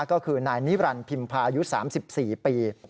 ก็คือนายนิรันดิพิมพายุ๓๔ปี